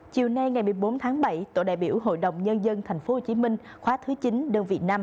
chiều nay ngày một mươi bốn tháng bảy tổ đại biểu hội đồng nhân dân thành phố hồ chí minh khóa thứ chín đơn vị năm